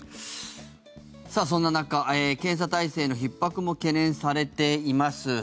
そんな中、検査体制のひっ迫も懸念されています。